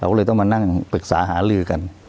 ก็เลยต้องมานั่งปรึกษาหาลือกัน